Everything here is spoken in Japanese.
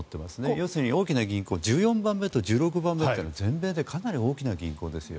要するに大きな銀行１４番目と１６番目というのは大きな銀行ですよ。